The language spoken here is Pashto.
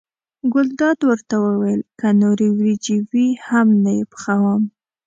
ګلداد ورته وویل که نورې وریجې وي هم نه یې پخوم.